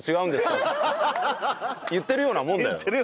言ってるようなもんだよ。